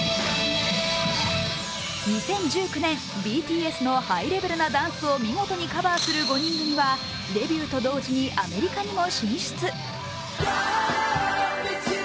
２０１９年、ＢＴＳのハイレベルなダンスを見事にカバーする５人組はデビューと同時にアメリカにも進出。